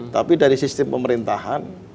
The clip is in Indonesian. tapi dari sistem pemerintahan